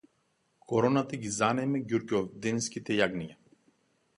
Короната ги занеме ѓурѓовденските јагниња